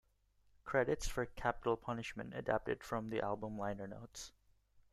Credits for "Capital Punishment" adapted from the album liner notes.